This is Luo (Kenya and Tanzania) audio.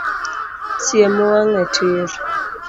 Siem wang’e tir